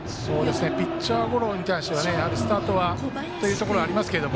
ピッチャーゴロに対してはやはりスタートというところありますけど